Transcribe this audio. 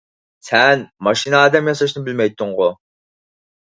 سەن ماشىنا ئادەم ياساشنى بىلمەيتتىڭغۇ؟